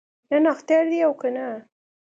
نن اختر دی او کنه؟